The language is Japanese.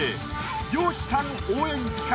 漁師さん応援企画